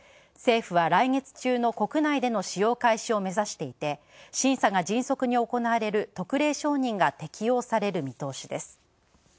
政府は来月中の国内での使用開始を目指していて、審査が迅速に行われる、特例承認が適用される見通しです。